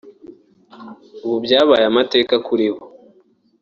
ubu byabaye amateka kuri bo